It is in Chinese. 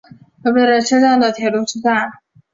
东神奈川车站的铁路车站。